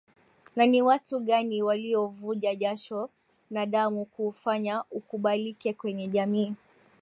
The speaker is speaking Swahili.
Na ni watu gani waliovuja jasho na damu kuufanya ukubalike kwenye jamii